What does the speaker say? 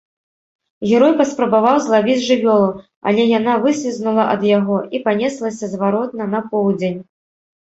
Герой паспрабаваў злавіць жывёлу, але яна выслізнула ад яго і панеслася зваротна на поўдзень.